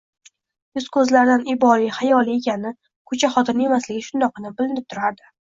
Yuz-ko‘zlaridan iboli, hayoli ekani, ko‘cha xotini emasligi shundoqqina bilinib turardi